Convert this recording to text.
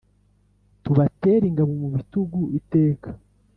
tubatere ingabo mubitugu iteka